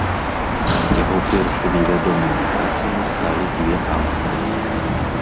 Яго першымі вядомымі працамі сталі дзве амфары.